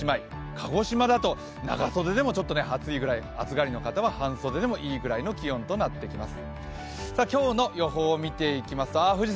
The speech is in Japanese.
鹿児島だと長袖でもちょっと暑いぐらい暑がりの方は半袖でもいいぐらいの気温となってきます。